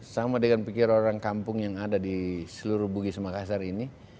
sama dengan pikiran orang kampung yang ada di seluruh bugis makassar ini